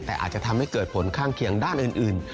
แต่อาจจะทำให้เกิดผลข้างเคียงด้านอื่น